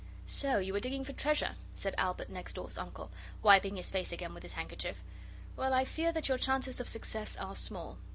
'So you were digging for treasure,' said Albert next door's uncle, wiping his face again with his handkerchief. 'Well, I fear that your chances of success are small.